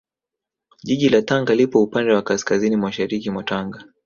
Jiji la Tanga lipo upande wa Kaskazini Mashariki mwa Tanga